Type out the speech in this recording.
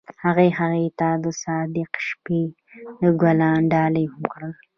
هغه هغې ته د صادق شپه ګلان ډالۍ هم کړل.